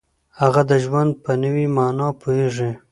هغه د ژوند په نوې معنا پوهیږي.